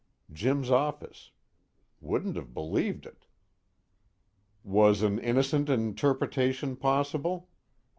Jim's office. Wouldn't've believed it." "Was an innocent interpretation possible?